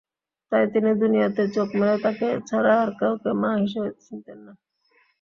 তাই তিনি দুনিয়াতে চোখ মেলে তাকে ছাড়া আর কাউকে মা হিসাবে চিনতেন না।